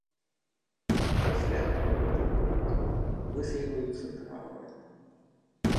Пасля ў гэты грунт высейваюцца травы.